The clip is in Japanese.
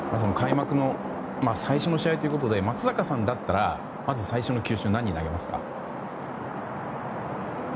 開幕の最初の試合ということで松坂さんだったら最初の球種は何を投げますか？